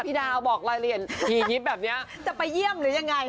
พี่ดาวบอกรายละเอียดทียิบแบบนี้จะไปเยี่ยมหรือยังไง